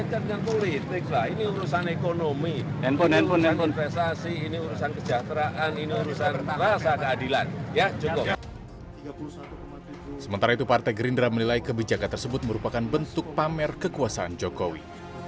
jokowi menilai kebijakan ini merupakan bentuk pamer kekuasaan jokowi